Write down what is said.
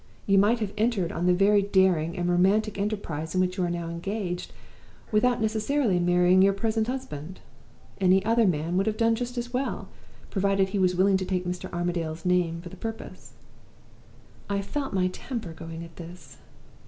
You might have entered on the very daring and romantic enterprise in which you are now engaged, without necessarily marrying your present husband. Any other man would have done just as well, provided he was willing to take Mr. Armadale's name for the purpose.' "I felt my temper going at this.